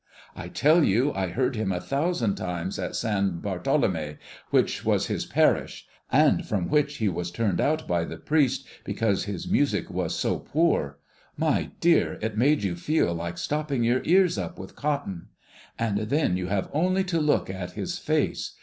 I tell you, I heard him a thousand times at San Bartolomé, which was his parish, and from which he was turned out by the priest because his music was so poor; my dear, it made you feel like stopping your ears up with cotton. And then you have only to look at his face.